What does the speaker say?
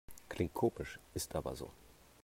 Klingt komisch, ist aber so.